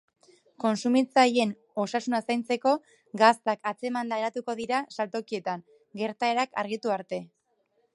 Kontsumitzaileen osasuna zaintzeko, gaztak atzemanda geratuko dira saltokietan, gertaerak argitu arte.